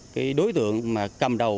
cái đối tượng mà cầm đầu